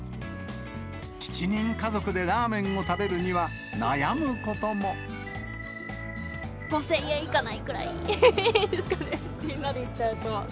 ７人家族でラーメンを食べるには、５０００円いかないくらいですかね、みんなで行っちゃうと。